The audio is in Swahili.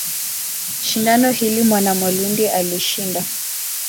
Shindano hili Mwanamalundi alishinda.